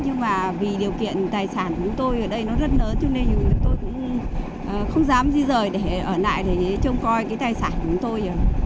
nhưng mà vì điều kiện tài sản của chúng tôi ở đây nó rất lớn cho nên tôi cũng không dám di rời để ở lại để trông coi cái tài sản của tôi